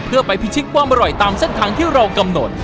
เพื่อไปพิชิตความอร่อยตามเส้นทางที่เรากำหนด